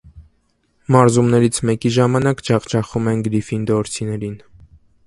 Մարզումներից մեկի ժամանակ ջախջախում են գրիֆինդորցիներին։